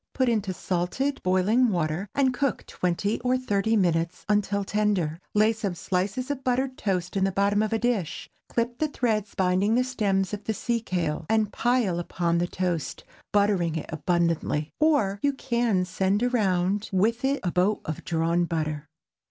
Put into salted boiling water, and cook twenty or thirty minutes until tender. Lay some slices of buttered toast in the bottom of a dish, clip the threads binding the stems of the sea kale, and pile upon the toast, buttering it abundantly. Or, you can send around with it a boat of drawn butter.